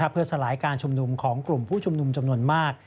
เพื่อสลายการชุมนุมของกลุ่มผู้ชุมนุมจำนวนมาก